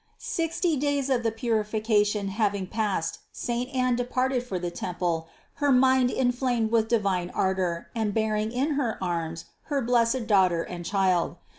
346. Sixty days of the purification having passed, saint Anne departed for the temple, her mind inflamed with divine ardor and bearing in her arms her blessed Daugh ter and Child.